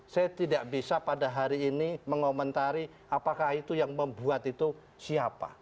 saya tidak bisa pada hari ini mengomentari apakah itu yang membuat itu siapa